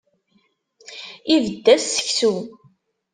Ibedd-as seksu.